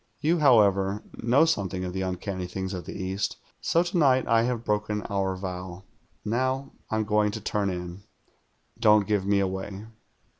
You, however, know something of the uncanny things of the East, so to night I have broken our vow. Now I'm going to turn in. Don't give me away."